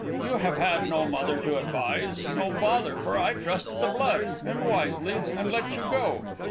You have had no mother to advise; no father, for I trusted the blood, and wisely, and let you go.